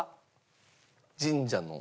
神社の？